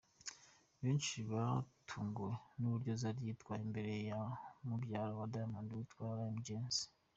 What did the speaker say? Benshi batunguwe n’uburyo Zari yitwaye imbere ya Mubyara wa Diamond witwa Rommy Jones.